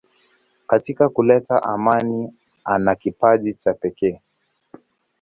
Katika kuleta amani ana kipaji cha pekee.